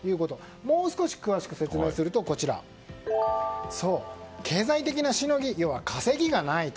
もう少し詳しく説明すると経済的なしのぎ、要は稼ぎがないと。